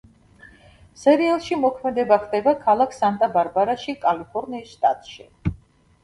სერიალში მოქმედება ხდება ქალაქ სანტა-ბარბარაში, კალიფორნიის შტატში.